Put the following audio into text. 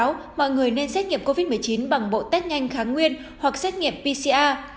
người khuyến cáo mọi người nên xét nghiệm covid một mươi chín bằng bộ test nhanh kháng nguyên hoặc xét nghiệm pcr